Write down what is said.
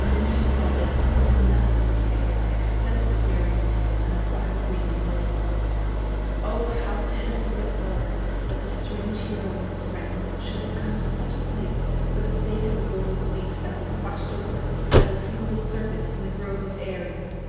And then she thought that there was nothing in Aea except the furious people and the fire breathing bulls. O how pitiful it was that the strange hero and his friends should have come to such a place for the sake of the Golden Fleece that was watched over by the sleepless serpent in the grove of Ares!